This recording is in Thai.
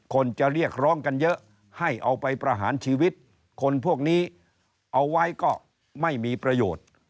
คนจะเรียกร้องกันเยอะให้เอาไปประหารชีวิตคนพวกนี้เอาไว้ก็ไม่มีประโยชน์